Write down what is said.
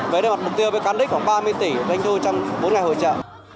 với mặt mục tiêu với cán đích khoảng ba mươi tỷ doanh thu trong bốn ngày hội trợ